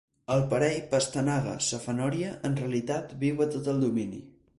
El parell pastanaga-safanòria en realitat viu a tot el domini.